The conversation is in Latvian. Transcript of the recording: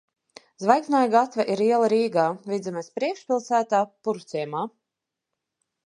Zvaigznāja gatve ir iela Rīgā, Vidzemes priekšpilsētā, Purvciemā.